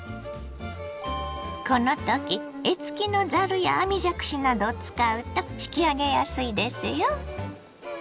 このとき柄付きのざるや網じゃくしなどを使うと引き上げやすいですよ。